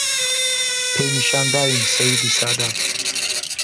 پێی نیشان داوین سەییدی سادات